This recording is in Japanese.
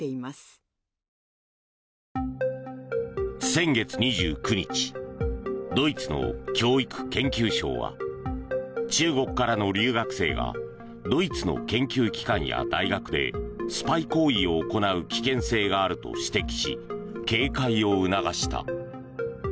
先月２９日ドイツの教育・研究相は中国からの留学生がドイツの研究機関や大学でスパイ行為を行う危険性があると指摘し警戒を促した。